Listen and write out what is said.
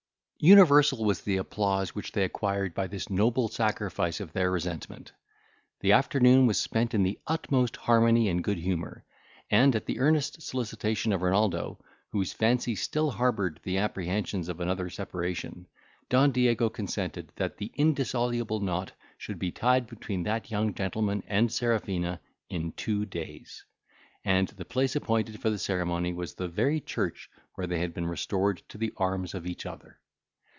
Universal was the applause which they acquired by this noble sacrifice of their resentment. The afternoon was spent in the utmost harmony and good humour; and at the earnest solicitation of Renaldo, whose fancy still harboured the apprehensions of another separation, Don Diego consented that the indissoluble knot should be tied between that young gentleman and Serafina in two days, and the place appointed for the ceremony was the very church where they had been restored to the arms of each other.